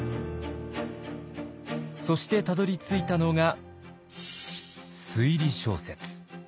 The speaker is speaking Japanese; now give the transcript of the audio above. そしてたどりついたのが推理小説。